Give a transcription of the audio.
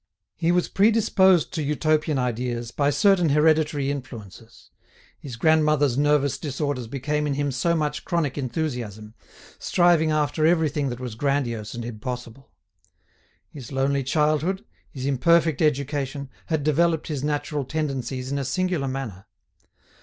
He was predisposed to Utopian ideas by certain hereditary influences; his grandmother's nervous disorders became in him so much chronic enthusiasm, striving after everything that was grandiose and impossible. His lonely childhood, his imperfect education, had developed his natural tendencies in a singular manner.